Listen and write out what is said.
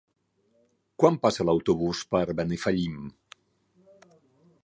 Quan passa l'autobús per Benifallim?